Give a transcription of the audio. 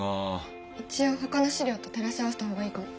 一応ほかの史料と照らし合わせた方がいいかも。